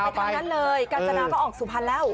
ทั้งนั้นเลยกาญจนาก็ออกสุพรรณแล้ว